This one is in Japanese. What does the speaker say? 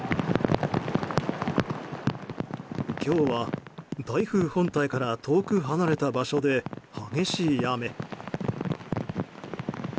今日は台風本体から遠く離れた場所で激しい雨。